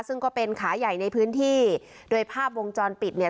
ซึ่งก็เป็นขาใหญ่ในพื้นที่โดยภาพวงจรปิดเนี่ย